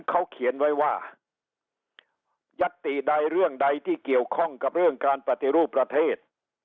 เขาเขียนไว้ว่ายัตติใดเรื่องใดที่เกี่ยวข้องกับเรื่องการปฏิรูปประเทศ